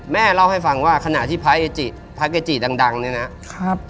แม่เล่าให้ฟังว่าขณะที่พระเกจิดังเนี่ยนะ